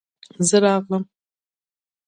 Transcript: زه راغلم.